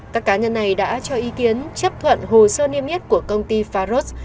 các cá nhân này đã cho ý kiến chấp thuận hồ sơ niêm yết của công ty faros